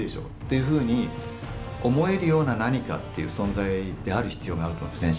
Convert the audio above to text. いうふうに思えるような何かっていう存在である必要があると思うんですね